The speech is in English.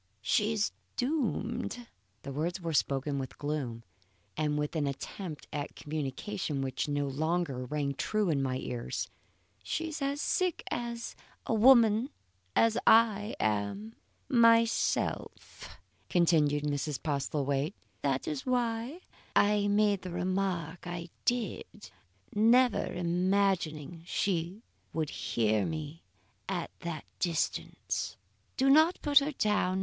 "She's doomed." The words were spoken with gloom and with an attempt at commiseration which no longer rang true in my ears. "She is as sick a woman as I am myself," continued Mrs. Postlethwaite. "That is why I made the remark I did, never imagining she would hear me at that distance. Do not put her down.